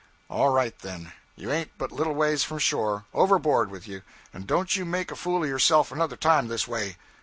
'All right, then. You ain't but little ways from shore. Overboard with you, and don't you make a fool of yourself another time this way.